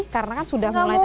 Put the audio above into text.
karena kan sudah mulai terasa